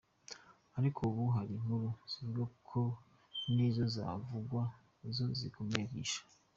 Ariko ubu hari inkuru zivuga ko n’izo zavugwa ko zikomeye zisha.